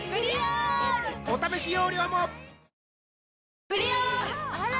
お試し容量もあら！